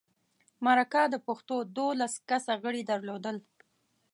مرکه د پښتو دولس کسه غړي درلودل.